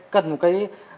cần một cái